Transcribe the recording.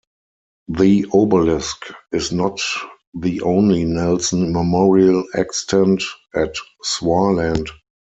The obelisk is not the only Nelson memorial extant at Swarland.